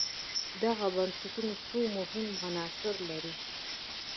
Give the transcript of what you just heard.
دغو بنسټونو څو مهم عناصر لرل